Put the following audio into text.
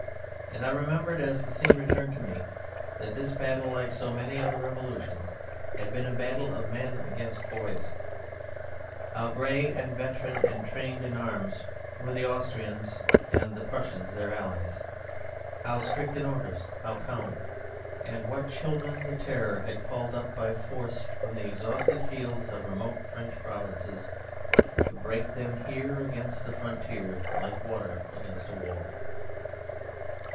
And I remembered, as the scene returned to me, that this battle, like so many of the Revolution, had been a battle of men against boys; how grey and veteran and trained in arms were the Austrians and the Prussians, their allies, how strict in orders, how calm: and what children the Terror had called up by force from the exhausted fields of remote French provinces, to break them here against the frontier, like water against a wall...!